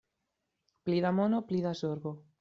Pli da mono, pli da zorgo.